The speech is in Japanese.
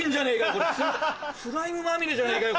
これスライムまみれじゃねえかよ。